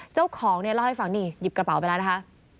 เจ้าของเนี่ยเล่าให้ฟังนี่หยิบกระเป๋าไปแล้วนะคะ